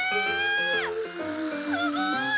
すごーい！